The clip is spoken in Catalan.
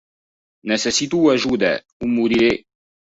Necessito ajuda o moriré.